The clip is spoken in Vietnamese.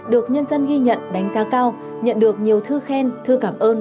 được nhân dân ghi nhận đánh giá cao nhận được nhiều thư khen thư cảm ơn